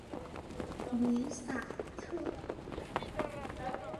吕萨克。